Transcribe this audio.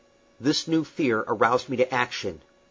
This new fear aroused me to action.